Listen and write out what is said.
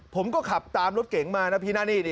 ผมก็ขับตามรถเก๋งมานะพี่นะนี่